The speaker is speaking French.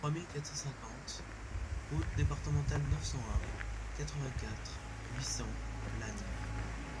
trois mille quatre cent cinquante route Départementale neuf cent un, quatre-vingt-quatre, huit cents, Lagnes